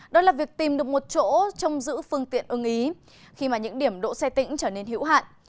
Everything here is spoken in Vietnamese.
đó là việc tìm được một chỗ trong giữ phương tiện ưng ý khi mà những điểm đỗ xe tỉnh trở nên hữu hạn